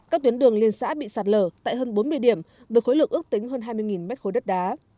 các tuyến đường liên xã bị sạt lở tại hơn bốn mươi điểm với khối lượng ước tính hơn hai mươi m ba đất đá